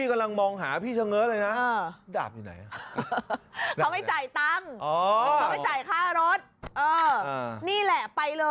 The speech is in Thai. ก็ไม่เห็นเรียกลัว